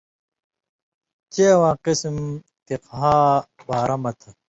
ڇَیؤں قِسم فِقہاں بارہ مہ تھہ